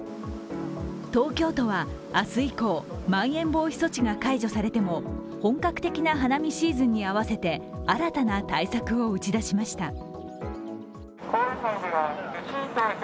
東京都は明日以降まん延防止措置が解除されても本格的な花見シーズンに合わせて新たな対策を打ち出しました。